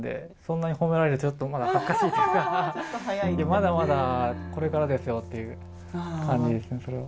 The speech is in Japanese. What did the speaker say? まだまだこれからですよっていう感じですね、それは。